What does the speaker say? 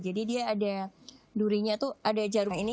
jadi dia ada durinya tuh ada jarum ini